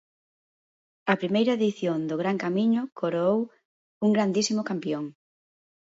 A primeira edición do Gran Camiño coroou un grandísimo campión.